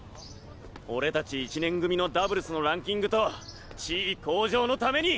俺達１年組のダブルスのランキングと地位向上のために。